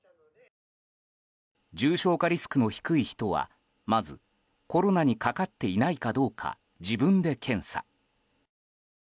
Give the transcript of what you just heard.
重症化リスクの低い人はまずコロナにかかっていないかどうか自分で検査。